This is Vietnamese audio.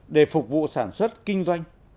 để phục vụ sản xuất kinh doanh